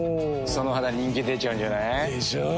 その肌人気出ちゃうんじゃない？でしょう。